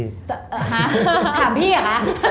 หาถามพี่หรอคะ